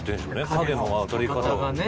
影の当たり方が。